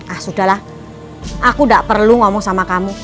ah sudahlah aku gak perlu ngomong sama kamu